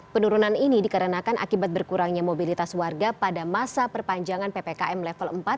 penurunan ini dikarenakan akibat berkurangnya mobilitas warga pada masa perpanjangan ppkm level empat